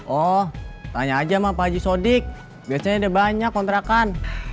oh tanya aja sama pak haji sodik biasanya ada banyak kontrakan